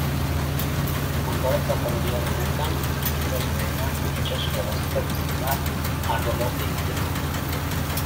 Hondartza familiar honetan, itsasbeheran, itsasoa baztertzen da arro bat egiteko.